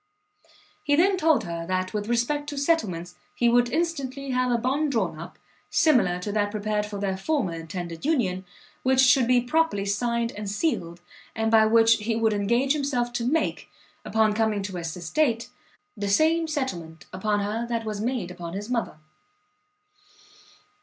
He then told her that with respect to settlements, he would instantly have a bond drawn up, similar to that prepared for their former intended union, which should be properly signed and sealed, and by which he would engage himself to make, upon coming to his estate, the same settlement upon her that was made upon his mother.